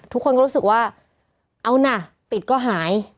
ทุกคนก็รู้สึกว่าเอานะปิดก็หาย